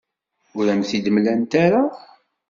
Ur am-t-id-mlant ara.